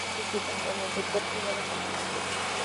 La profesión existe tanto en el sector privado como en el público.